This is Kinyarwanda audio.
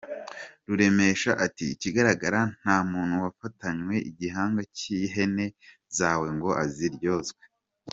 Ruremesha ati “Ikigaragara nta muntu wafatanywe igihanga cy’ihene zawe ngo aziryozwe.